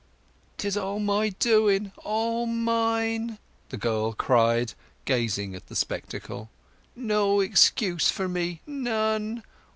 "'Tis all my doing—all mine!" the girl cried, gazing at the spectacle. "No excuse for me—none.